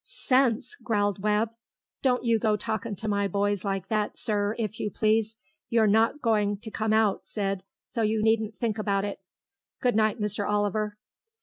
"Sense!" growled Webb. "Don't you go talking to my boys like that, sir, if you please. You're not going to come out, Sid, so you needn't think about it. Good night, Mr. Oliver."